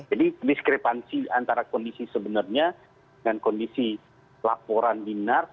jadi diskrepansi antara kondisi sebenarnya dengan kondisi laporan di narc